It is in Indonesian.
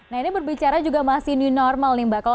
nah ini berbicara juga masih new normal nih mbak